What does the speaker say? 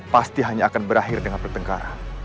pasti hanya akan berakhir dengan pertengkaran